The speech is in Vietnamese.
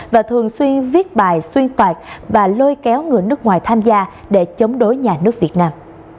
và thường xuyên viết bài xuyên tạc và lôi kéo người nước ngoài tham gia để chống đối nhà nước việt nam